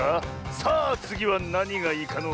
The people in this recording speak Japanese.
さあつぎはなにがいいかのう。